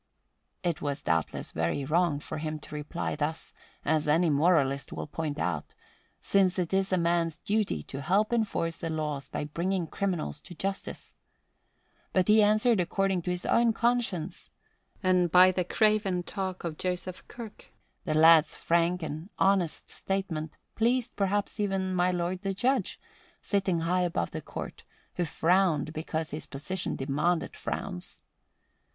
It was doubtless very wrong for him to reply thus, as any moralist will point out, since it is a man's duty to help enforce the laws by bringing criminals to justice. But he answered according to his own conscience; and after the craven talk of Joseph Kirk, the lad's frank and honest statement pleased perhaps even my Lord the Judge, sitting high above the court, who frowned because his position demanded frowns.